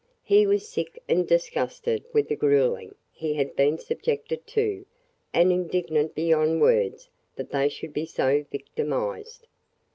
He was sick and disgusted with the grueling he had been subjected to and indignant beyond words that they should be so victimized.